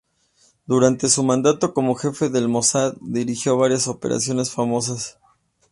Durante su mandato como jefe del Mosad, dirigió varias operaciones famosas.